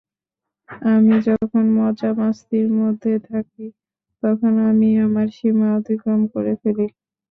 আমি যখন মজা মাস্তির মধ্যে থাকি, তখন আমি আমার সীমা অতিক্রম করে ফেলি।